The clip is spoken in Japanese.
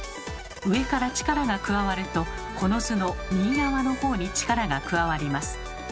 上から力が加わるとこの図の右側のほうに力が加わります。